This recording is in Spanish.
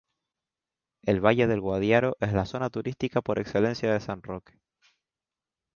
El Valle del Guadiaro es la zona turística por excelencia de San Roque.